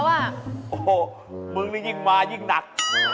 โอ้โหมึงนี่ยิ่งมายิ่งหนัก